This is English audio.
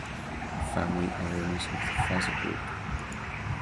Her family are owners of Fazer Group.